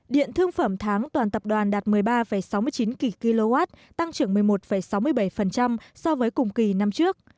điện thương phẩm tháng toàn tập đoàn đạt một mươi ba sáu mươi chín kw tăng trưởng một mươi một sáu mươi bảy so với cùng kỳ năm trước